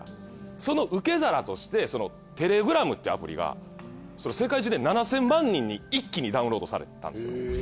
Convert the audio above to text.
その受け皿としてテレグラムっていうアプリが世界中で７，０００万人に一気にダウンロードされたんですよ。